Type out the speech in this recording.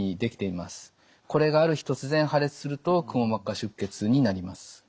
これがある日突然破裂するとくも膜下出血になります。